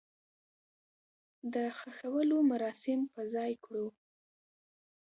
د خښولو مراسم په ځاى کړو.